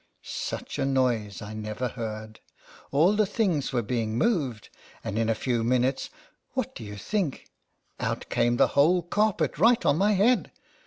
Such a noise I never heard : all the thing's were being moved ; and in a few minutes, what do you think out came the whole carpet right on my head!